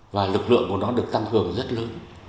và lực lượng của nó được tăng cường rất lớn